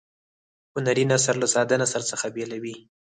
هنري نثر له ساده نثر څخه بیلوي.